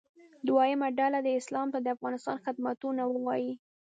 دویمه ډله دې اسلام ته د افغانستان خدمتونه ووایي.